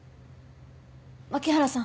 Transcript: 槇原さん